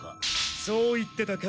そう言ってたか？